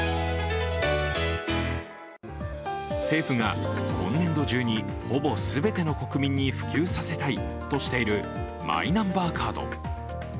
政府が今年度中にほぼ全ての国民に普及させたいとしているマイナンバーカード。